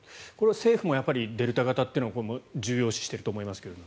政府もデルタ型は重要視していると思いますが。